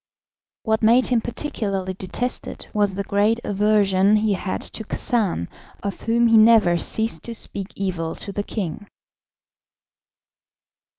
What made him particularly detested was the great aversion he had to Khacan, of whom he never ceased to speak evil to the king.